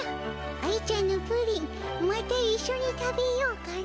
愛ちゃんのプリンまたいっしょに食べようかの。